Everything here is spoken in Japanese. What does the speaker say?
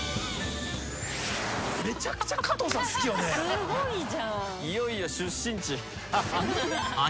すごいじゃん。